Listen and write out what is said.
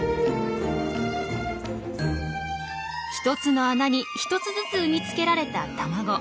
１つの穴に１つずつ産み付けられた卵。